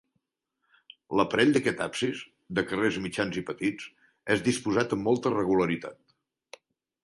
L'aparell d'aquest absis, de carreus mitjans i petits, és disposat amb molta regularitat.